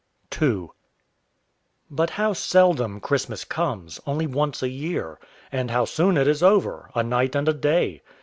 II But how seldom Christmas comes only once a year; and how soon it is over a night and a day!